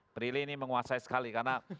prilly ini menguasai sekali karena